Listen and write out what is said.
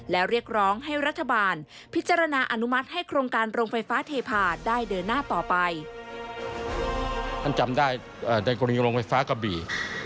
และเรียกร้องให้รัฐบาลพิจารณาอนุมัติให้โครงการโรงไฟฟ้าเทพาได้เดินหน้าต่อไป